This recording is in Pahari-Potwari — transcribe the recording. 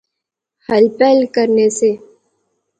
ہل پہل کرنے سے